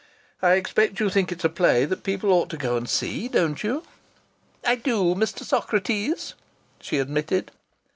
"I expect you think it's a play that people ought to go and see, don't you?" "I do, Mr. Socrates," she admitted.